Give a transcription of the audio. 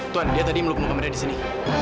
tuan dia tadi melukung pemberian di sini